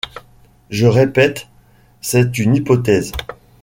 Je répète, c'est une hypothèse.